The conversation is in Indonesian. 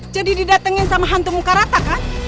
jadi didatengin sama hantu muka rata kan